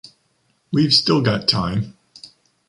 We’ve still got time.